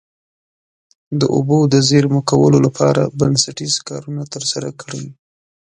د اوبو د زیرمه کولو لپاره بنسټیز کارونه ترسره کړي.